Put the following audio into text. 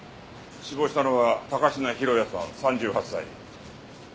死亡したのは高階浩也さん３８歳。